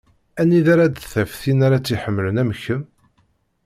Anida ara d-taf tin ara tt-iḥemmlen am kemm?